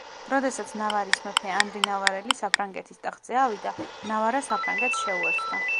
როდესაც ნავარის მეფე ანრი ნავარელი საფრანგეთის ტახტზე ავიდა, ნავარა საფრანგეთს შეუერთდა.